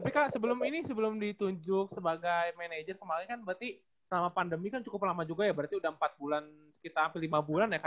tapi kak sebelum ini sebelum ditunjuk sebagai manajer kemarin kan berarti selama pandemi kan cukup lama juga ya berarti sudah empat bulan sekitar hampir lima bulan ya kak